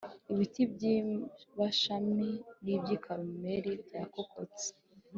Ibiti by’i Bashani n’iby’i Karumeli byakokotse.